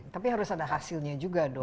tapi harus ada hasilnya juga dong